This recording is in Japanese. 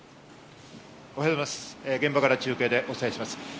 現場から中継でお伝えします。